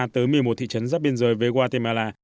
tới một mươi một thị trấn giáp biên giới với guatemala